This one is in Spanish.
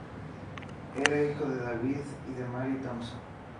Era hijo de David y de Mary Thomson.